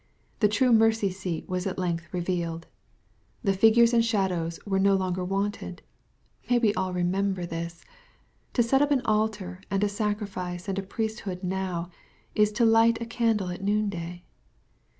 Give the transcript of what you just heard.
The true mercy seat was at length revealed. The figures and shadows were no longer wanted. May we all remember this ! To set up an altar, and a sacri fice, and a priesthood now J is to light a candle at noon day.